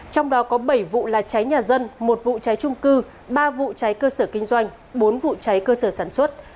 trong đó có bảy vụ là cháy nhà dân một vụ cháy trung cư ba vụ cháy cơ sở kinh doanh bốn vụ cháy cơ sở sản xuất